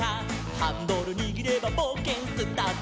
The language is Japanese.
「ハンドルにぎればぼうけんスタート！」